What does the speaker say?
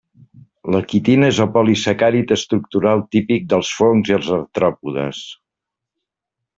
La quitina és el polisacàrid estructural típic dels fongs i els artròpodes.